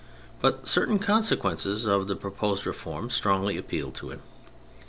But certain conse quences of the proposed reforms strongly appealed to him.